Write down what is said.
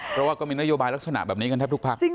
เพราะว่าก็มีนโยบายลักษณะแบบนี้กันแทบทุกพัก